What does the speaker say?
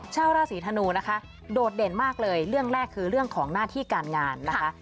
ชาวราศีธนูนะคะโดดเด่นมากเลยเรื่องแรกคือเรื่องของหน้าที่การงานนะคะ